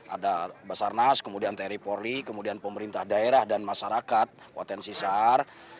ada basarnas kemudian teri polri kemudian pemerintah daerah dan masyarakat potensi sar